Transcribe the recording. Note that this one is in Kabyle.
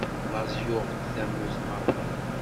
Laẓ yuɣ-d tamurt meṛṛa.